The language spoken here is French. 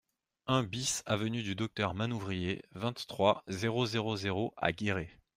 un BIS avenue du Docteur Manouvrier, vingt-trois, zéro zéro zéro à Guéret